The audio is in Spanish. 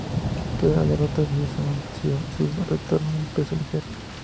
Tras la derrota, Diaz anunció su retorno al peso ligero.